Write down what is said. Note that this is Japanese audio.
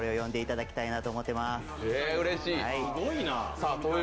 うれしい。